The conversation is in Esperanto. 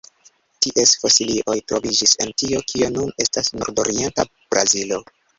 Ties fosilioj troviĝis en tio kio nun estas nordorienta Brazilo.